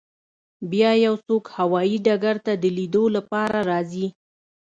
بیا یو څوک هوایی ډګر ته د لیدو لپاره راځي